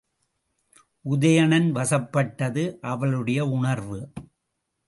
உதயணன் வசப்பட்டது அவளுடைய உணர்வு.